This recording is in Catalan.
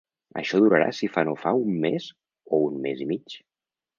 Això durarà si fa no fa un mes o un mes i mig.